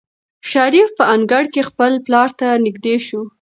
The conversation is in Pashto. شریف په انګړ کې خپل پلار ته نږدې شو.